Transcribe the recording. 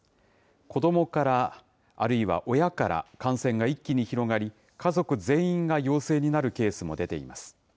子どもから、あるいは親から感染が一気に広がり、家族全員が陽性になるケースも出ています。